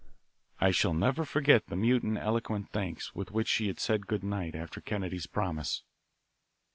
I shall never forget the mute and eloquent thanks with which she said good night after Kennedy's promise.